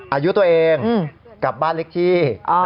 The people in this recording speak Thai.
อายุตัวเองกับบ้านเล็กที่